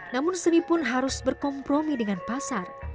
namun seni pun harus berkompromi dengan pasar